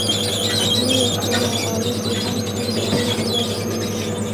لویه سلنه عاید د کم شمېر وګړو په لاس کې وي.